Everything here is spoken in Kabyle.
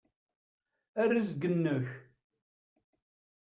A rrezg-nnek!